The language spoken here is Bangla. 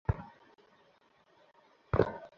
ওরা অলরেডি বেরিয়ে গেছে।